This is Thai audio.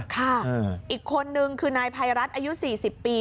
ค่ะอีกคนนึงคือนายภัยรัฐอายุ๔๐ปี